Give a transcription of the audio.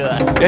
aduh aduh aduh